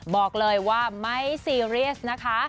บอกเลยว่าไม่ซีเรียสนะคะ